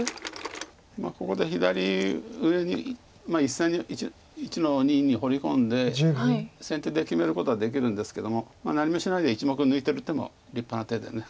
ここで左上に１線に１の二にホウリ込んで先手で決めることはできるんですけども何もしないで１目抜いてる手も立派な手で。